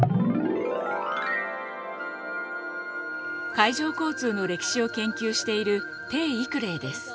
海上交通の歴史を研究している丁毓玲です。